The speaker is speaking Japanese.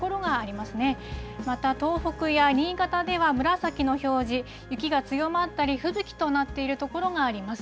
また、東北や新潟では紫の表示、雪が強まったり吹雪となっている所があります。